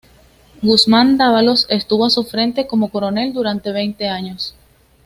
Guzmán-Dávalos estuvo a su frente como coronel durante veinte años.